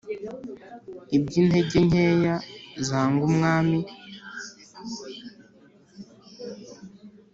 iby'intege nkeya zanga umwami!